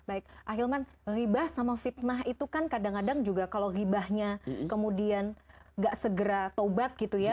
akhilman ribah sama fitnah itu kan kadang kadang juga kalau gibahnya kemudian nggak segera taubat gitu ya